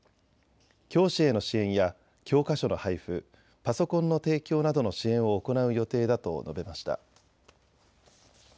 教師への支援や教科書の配布、パソコンの提供などの支援を行う予定だと述べました。